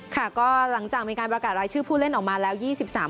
ค่ะก็หลังจากมีการประกาศรายชื่อผู้เล่นออกมาแล้ว๒๓คน